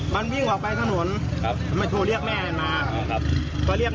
มันก็วิ่งมาใส่ผมปากผมก็แบก